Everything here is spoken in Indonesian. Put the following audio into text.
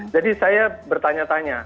jadi saya bertanya tanya